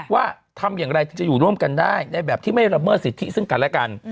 ว่าทำอย่างไรที่จะอยู่ร่วมกันได้ในแบบที่ไม่ละเมิดสิทธิซึ่งกันและกัน